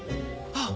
あっ。